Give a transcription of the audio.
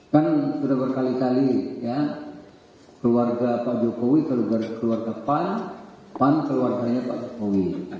kan sudah berkali kali ya keluarga pak jokowi keluarga pan keluarganya pak jokowi